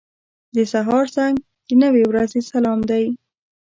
• د سهار زنګ د نوې ورځې سلام دی.